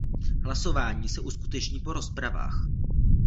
Hlasování se uskuteční po rozpravách.